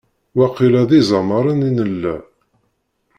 Waqila d izamaren i nella.